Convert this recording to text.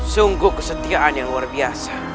sungguh kesetiaan yang luar biasa